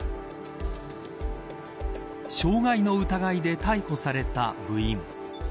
傷害の疑いで逮捕された部員。